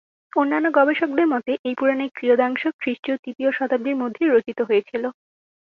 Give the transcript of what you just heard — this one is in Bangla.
অন্যান্য গবেষকদের মতে, এই পুরাণের কিয়দংশ খ্রিস্টীয় তৃতীয় শতাব্দীর মধ্যেই রচিত হয়েছিল।